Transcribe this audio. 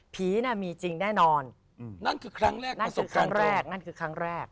ผีน่ะมีจริงแน่นอนนั่นคือครั้งแรก